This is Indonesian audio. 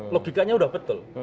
logikanya sudah betul